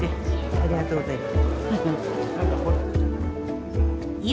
ありがとうございます。